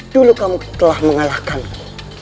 dulu kamu telah mengalahkanku